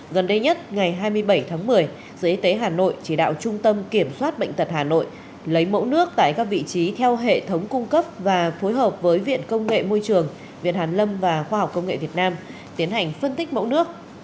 gần đây nhất ngày hai mươi bảy tháng một mươi sở y tế hà nội chỉ đạo trung tâm kiểm soát bệnh tật hà nội lấy mẫu nước tại các vị trí theo hệ thống cung cấp và phối hợp với viện công nghệ môi trường viện hàn lâm và khoa học công nghệ việt nam tiến hành phân tích mẫu nước